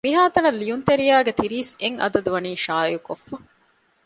މިހާތަނަށް ލިޔުންތެރިޔާ ގެ ތިރީސް އެއް އަދަދު ވަނީ ޝާއިޢުކޮށްފަ